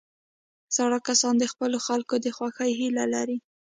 زاړه کسان د خپلو خلکو د خوښۍ هیله لري